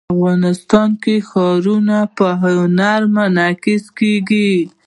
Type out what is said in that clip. افغانستان کې ښارونه په هنر کې منعکس کېږي.